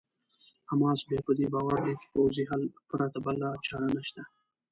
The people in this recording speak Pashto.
حماس بیا په دې باور دی چې پوځي حل پرته بله چاره نشته.